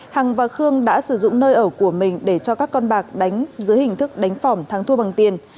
hằng và khương đã sử dụng nơi ở của mình để cho các con bạc đánh dưới hình thức đánh phòng thắng thua bằng tiền